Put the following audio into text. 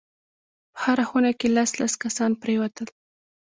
په هره خونه کښې لس لس کسان پرېوتل.